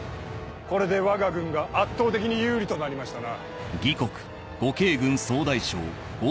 これでわが軍が圧倒的に有利となりましたな。